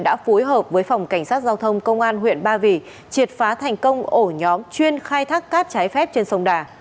đã phối hợp với phòng cảnh sát giao thông công an huyện ba vì triệt phá thành công ổ nhóm chuyên khai thác cát trái phép trên sông đà